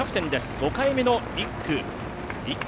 ５回目の１区。